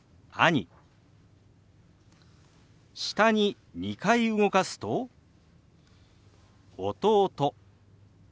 下に２回動かすと「弟」。